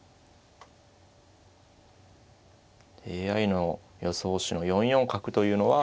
ＡＩの予想手の４四角というのは。